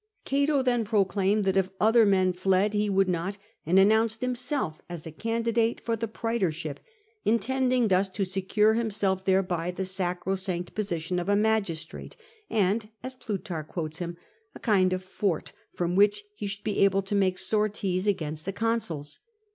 Cato then proclaimed that if other men fled he would not, and announced himself as a candidate for the prae torship, intending thus to secure himself thereby the sacrosanct position of a magistrate, and (as Plutarch quotes him) '' a kind of fort from which he should be able to make sorties against the consuls."